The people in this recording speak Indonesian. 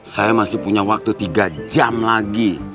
saya masih punya waktu tiga jam lagi